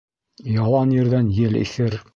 Ялан ерҙән ел иҫер